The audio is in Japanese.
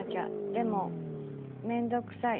でも、面倒くさい。